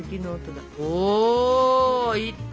おいった！